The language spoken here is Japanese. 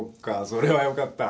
それはよかった。